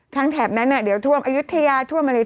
กรมป้องกันแล้วก็บรรเทาสาธารณภัยนะคะ